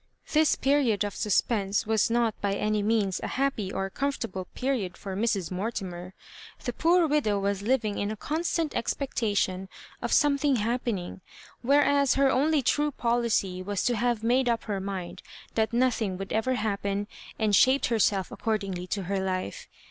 Tliis period of suspense was not by any means a happy or comfortable period for Mrs. Mortimer. The poor widow was living in a constant expec tation ot something happening, whereas her only true policy was to have made up her mind that nothing would ever happen, and shaped herself accordingly to her life.